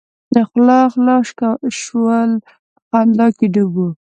خوله خوله شول په خندا کې ډوب وو.